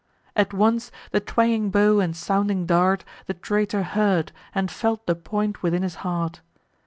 At once the twanging bow and sounding dart The traitor heard, and felt the point within his heart.